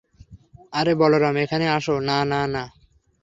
আরে, বলরাম এখানে আসো, না, না, না।